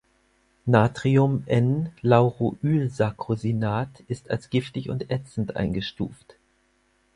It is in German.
Natrium-"N"-lauroylsarcosinat ist als giftig und ätzend eingestuft.